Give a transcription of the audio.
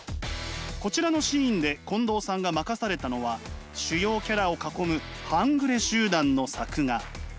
こちらのシーンで近藤さんが任されたのは主要キャラを囲む半グレ集団の作画。